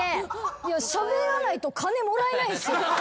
いやしゃべらないと金もらえないんすよ。